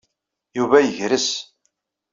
Yuba yegres.